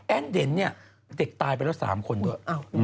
แอ้นเด่นเด็กตายไปแล้ว๓คนด้วย